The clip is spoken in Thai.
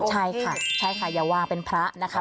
ใช่ค่ะใช่ค่ะอย่าวางเป็นพระนะคะ